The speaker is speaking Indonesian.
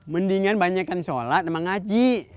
mendingan banyakan sholat sama ngaji